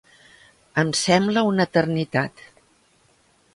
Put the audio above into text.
Em sembla una eternitat.